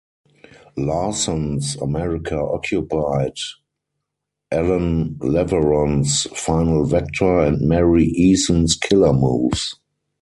Larson's "America Occupied", Allan Leverone's "Final Vector", and Mary Eason's "Killer Moves".